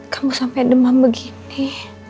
kamu sampai demam begini